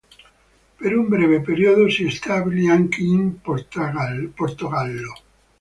Per un breve periodo si stabilì anche in Portogallo.